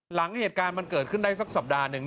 หลังเหตุการณ์มันเกิดขึ้นได้สักสัปดาห์หนึ่ง